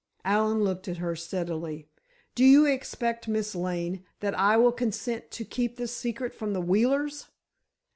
Allen looked at her steadily. "Do you expect, Miss Lane, that I will consent to keep this secret from the Wheelers?"